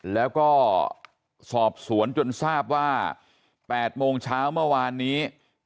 แล้วก็สอบสวนจนทราบว่า๘โมงเช้าเมื่อวานนี้